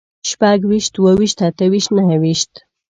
شپږويشت، اووهويشت، اتهويشت، نههويشت